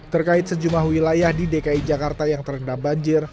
terkait sejumlah wilayah di dki jakarta yang terendam banjir